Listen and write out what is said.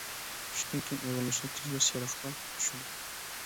چۈشتىن كىيىن ئېغىرلىشىدۇ، تېزلا سېرىقلىق چۈشىدۇ.